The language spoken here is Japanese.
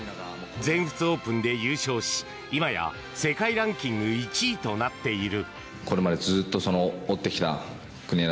全仏オープンで優勝し今や世界ランキング１位となっている。